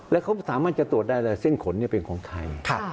แล้วเขาสามารถจะตรวจได้เลยเส้นขนเป็นของใคร